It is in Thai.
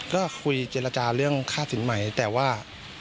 ก็คุยเจรจาเรื่องค่าสินใหม่แต่ว่า